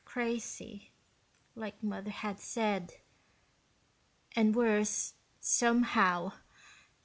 Crazy, like Mother had said, and worse, somehow.